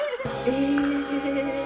え？